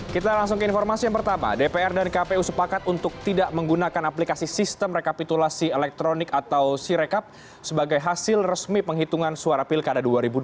kita langsung ke informasi yang pertama dpr dan kpu sepakat untuk tidak menggunakan aplikasi sistem rekapitulasi elektronik atau sirekap sebagai hasil resmi penghitungan suara pilkada dua ribu dua puluh